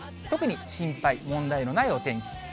特に心配、問題のないお天気。